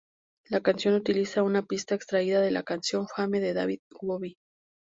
La canción utiliza una pista extraída de la canción "Fame" de David Bowie.